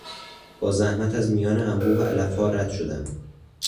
با زحمت از میان انبوه علفها رد شدم.